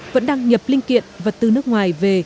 vẫn đang nhập linh kiện vật tư nước ngoài về